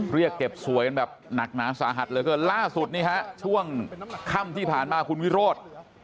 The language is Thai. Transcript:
เรียกเก็บสวยแบบหนักหนาสาหัสเลยครับล่าสุดนี้ครับช่วงค่ำที่ผ่านมาคุณวิโรธ